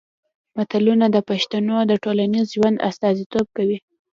متلونه د پښتنو د ټولنیز ژوند استازیتوب کوي